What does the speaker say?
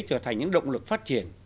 trở thành những động lực phát triển